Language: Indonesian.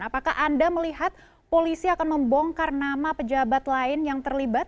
apakah anda melihat polisi akan membongkar nama pejabat lain yang terlibat